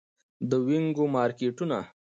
د وینګو مارکیټونه